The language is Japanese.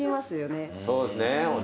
そうですね。